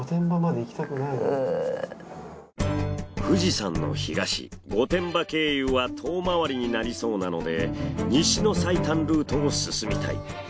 富士山の東御殿場経由は遠回りになりそうなので西の最短ルートを進みたい。